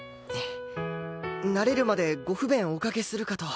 慣れるまでご不便おかけするかと。